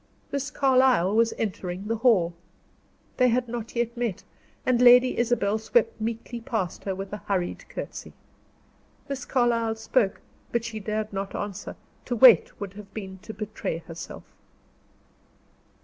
Miss Carlyle was entering the hall. They had not yet met, and Lady Isabel swept meekly past her with a hurried courtesy. Miss Carlyle spoke, but she dared not answer, to wait would have been to betray herself.